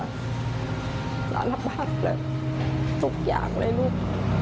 สารบาทแหละทุกอย่างเลยลูก